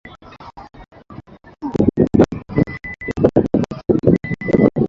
upungufu wa vitamini A ikikosekana kwa mtoto hudumaa